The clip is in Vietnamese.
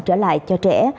trở lại cho trẻ